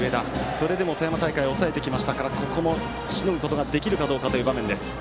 それでも富山大会を抑えてきましたからここもしのげるかという場面です。